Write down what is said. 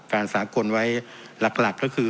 การสาขนไว้หลักหลักก็คือ